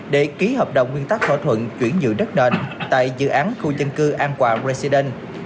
để ký hợp đồng nguyên tắc thỏa thuận chuyển dự đất nền tại dự án khu dân cư an quà recidel